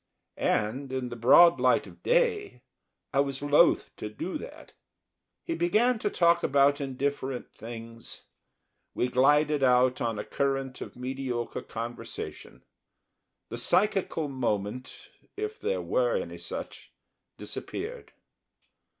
And, in the broad light of day, I was loath to do that. He began to talk about indifferent things; we glided out on to a current of mediocre conversation. The psychical moment, if there were any such, disappeared.